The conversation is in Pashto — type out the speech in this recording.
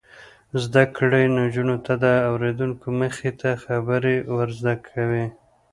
زده کړه نجونو ته د اوریدونکو مخې ته خبرې ور زده کوي.